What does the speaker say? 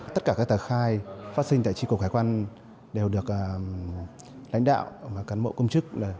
tất cả các tờ khai phát sinh tại tri cục hải quan đều được lãnh đạo và cán bộ công chức